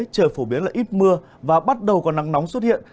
trời phổ biến là ít mưa và bắt đầu có nắng nóng xuất hiện